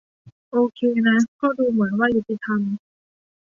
โอเคนะก็ดูเหมือนว่ายุติธรรม